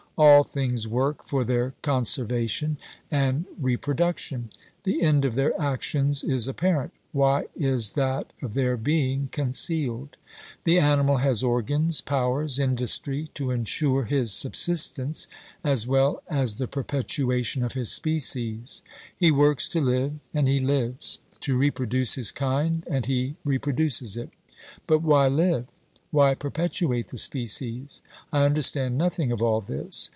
All things work for their conservation and repro duction ; the end of their actions is apparent — why is that of their being concealed ? The animal has organs, powers, industry to insure his subsistence, as well as the perpetuation of his species ; he works to live and he lives ; to reproduce his kind, and he reproduces it. But why live ? Why perpetuate the species ? I understand nothing of all this.